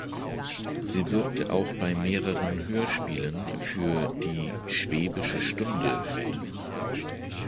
Sie wirkte auch bei mehreren Hörspielen für die „Schwäbische Stunde“ mit.